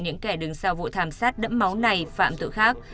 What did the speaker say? những kẻ đứng sau vụ thảm sát đẫm máu này phạm tự khác